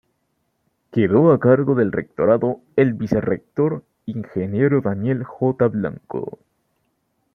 Quedó a cargo del Rectorado el Vicerrector Ing. Daniel J. Blanco.